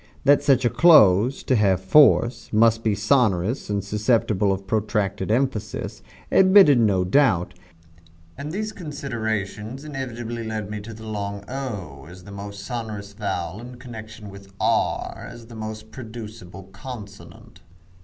That such a close, to have force, must be sonorous and susceptible of protracted emphasis, admitted no doubt, and these considerations inevitably led me to the long o as the most sonorous vowel in connection with r as the most producible consonant.